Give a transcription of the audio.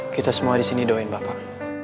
kita semua di sini doain bapak